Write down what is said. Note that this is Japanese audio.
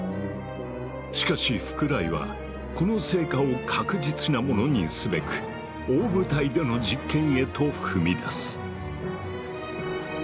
しかし福来はこの成果を確実なものにすべく大舞台での実験へと踏み出す。